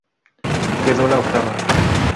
Quedó la octava.